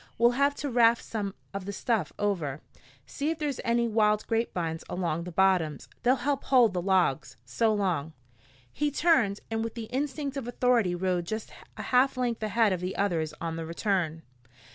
We'll have to raft some of the stuff over. See if there's any wild grapevines along the bottoms. They'll help hold the logs. So long." He turned, and with the instinct of authority rode just a half length ahead of the others on the return.